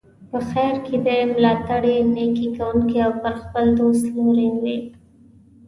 په خیر کې دي ملاتړی، نیکي کوونکی او پر خپل دوست لورین وي.